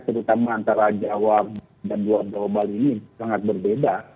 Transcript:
terutama antara jawa dan global ini sangat berbeda